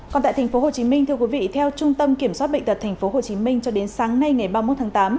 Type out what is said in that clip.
còn tại tp hcm theo trung tâm kiểm soát bệnh tật tp hcm cho đến sáng nay ngày ba mươi một tháng tám